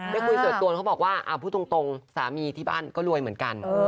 ได้คุยส่วนตัวเขาบอกว่าพูดตรงสามีที่บ้านก็รวยเหมือนกัน